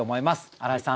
荒井さん